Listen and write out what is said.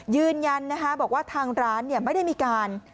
ยืนยันบอกว่าทางร้าน